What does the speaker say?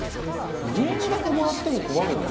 フレームだけもらっても困るよね